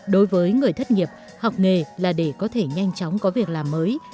đối với người thất nghiệp học nghề là để có thể nhanh chóng có việc làm mới